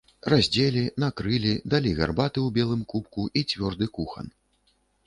Раздзелі, накрылі, далі гарбаты ў белым кубку і цвёрды кухан.